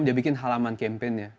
dia bikin halaman campaign nya